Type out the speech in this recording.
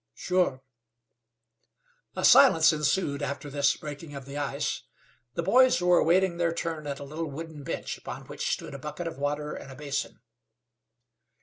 "Sure." A silence ensued after this breaking of the ice. The boys were awaiting their turn at a little wooden bench upon which stood a bucket of water and a basin.